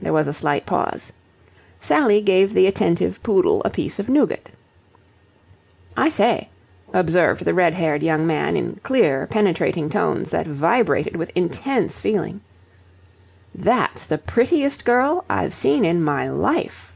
There was a slight pause. Sally gave the attentive poodle a piece of nougat. "I say," observed the red haired young man in clear, penetrating tones that vibrated with intense feeling, "that's the prettiest girl I've seen in my life!"